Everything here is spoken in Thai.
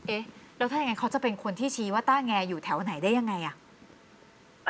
เอ๊ะแล้วถ้ายังไงเขาจะเป็นคนที่ชี้ว่าต้าแงอยู่แถวไหนได้ยังไงอ่ะ